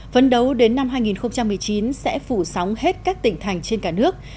số đến năm hai nghìn một mươi chín sẽ phủ sóng hết các tỉnh thành trên cả nước